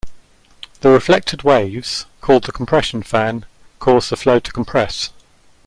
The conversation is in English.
The reflected waves, called the compression fan, cause the flow to compress.